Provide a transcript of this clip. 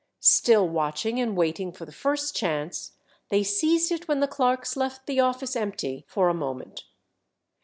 Still watching and waiting for the first chance, they seized it when the clerks left the office empty for a moment.